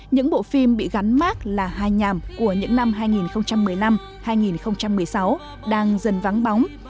những bộ phim bị gắn mát là hai nhàm của những năm hai nghìn một mươi năm hai nghìn một mươi sáu đang dần vắng bóng